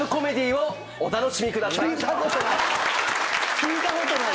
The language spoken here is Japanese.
聞いたことない。